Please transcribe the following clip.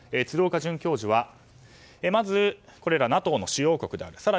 鶴岡准教授はまず、これらはＮＡＴＯの主要国である。